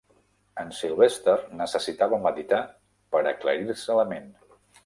En Sylvester necessitava meditar per aclarir-se la ment.